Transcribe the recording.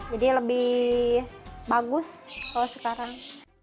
jadi lebih bagus kalau sekarang